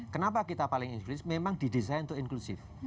kenapa kita paling inklusif memang didesain untuk inklusif